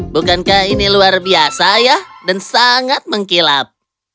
bukankah ini luar biasa ya dan sangat mengkilap